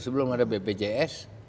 sebelum ada bpjs